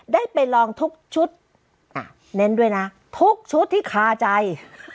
ได้ไปลองทุกชุดเน้นด้วยนะทุกชุดที่คาใจ